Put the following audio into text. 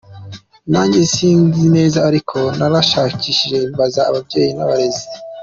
Nanjye sinkizi neza ariko narashakishije, mbaza ababyeyi n’abarezi.